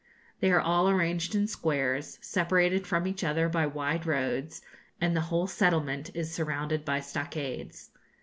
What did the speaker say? They are all arranged in squares, separated from each other by wide roads; and the whole settlement is surrounded by stockades.